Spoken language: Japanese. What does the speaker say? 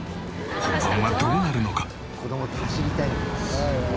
本番はどうなるのか？